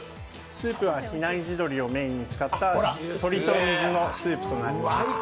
スープは比内地鶏をメインに使った鶏と水のスープになります。